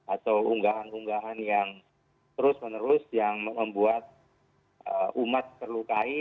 atau unggahan unggahan yang terus menerus yang membuat umat terlukai